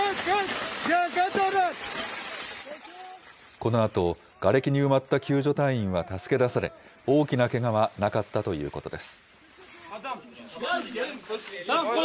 このあと、がれきに埋まった救助隊員は助け出され、大きなけがはなかったということです。